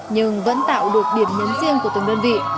nhưng vẫn tạo được điểm nhấn riêng của từng đơn vị